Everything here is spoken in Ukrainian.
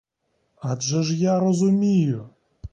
Адже ж я розумію!